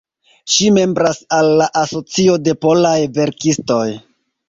Ŝi membras al la Asocio de Polaj Verkistoj.